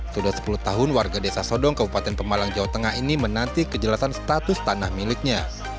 sudah sepuluh tahun warga desa sodong kabupaten pemalang jawa tengah ini menanti kejelasan status tanah miliknya